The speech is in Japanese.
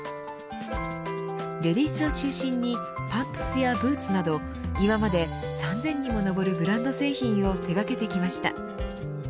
レディースを中心にパンプスやブーツなど今まで３０００にも上るブランド製品を手掛けてきました。